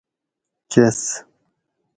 کس